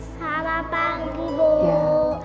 selamat pagi bu